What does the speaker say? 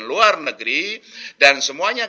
luar negeri dan semuanya